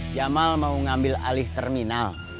jamal mau ngambil alih terminal